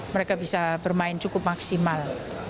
mereka bisa bermain cukup maksimal